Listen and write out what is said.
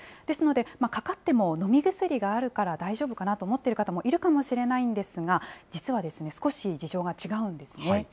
ですので、かかっても飲み薬があるから大丈夫かなと思っている方もいるかもしれないんですが、実は少し事情が違うんですね。